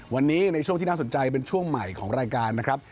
วันนี้ในช่วงที่น่าสนใจเป็นช่วงใหม่ของรายการนะครับ